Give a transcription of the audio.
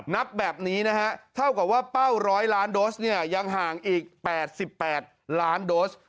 นับแบบนี้เท่ากับว่าเป้าร้อยล้านโดสยังห่างอีก๘๘ล้านโดส